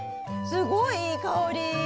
すごいいい香り！